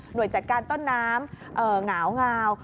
หน่วยจัดการต้นน้ำหงาว